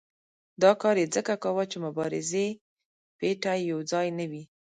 دا کار یې ځکه کاوه چې مبارزې پېټی یو ځای نه وي.